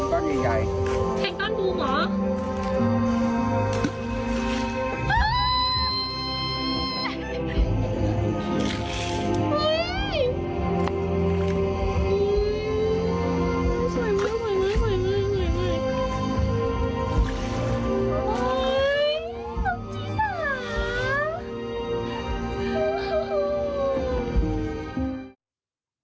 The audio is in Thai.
ปากใหญ่